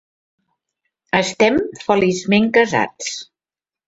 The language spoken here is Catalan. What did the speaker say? Estem feliçment casats.